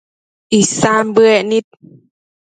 Isan bëec nid